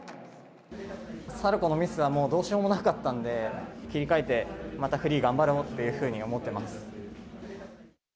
サルコーのミスはもうどうしようもなかったんで、切り替えて、またフリー頑張ろうというふうに思っています。